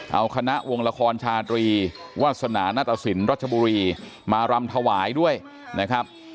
เอาคณะวงละครชาตรีวาสนานัตตสินรัชบุรีมารำถวายด้วยนะครับ